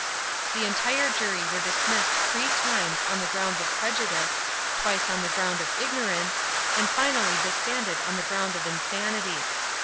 The entire jury were dismissed three times on the grounds of prejudice, twice on the ground of ignorance, and finally disbanded on the ground of insanity.